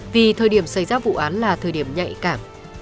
vì thời điểm xảy ra vụ án là thời điểm nhạy cảm